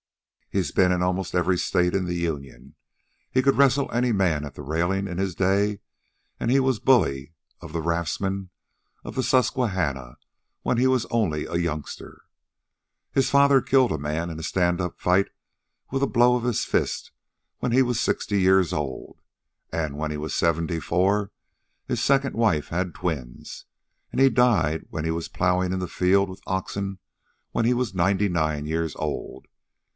He's been in almost every state in the Union. He could wrestle any man at the railings in his day, an' he was bully of the raftsmen of the Susquehanna when he was only a youngster. His father killed a man in a standup fight with a blow of his fist when he was sixty years old. An' when he was seventy four, his second wife had twins, an' he died when he was plowing in the field with oxen when he was ninety nine years old.